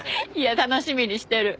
楽しみにしてる。